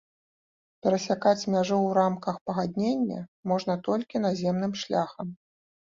Перасякаць мяжу ў рамках пагаднення можна толькі наземным шляхам.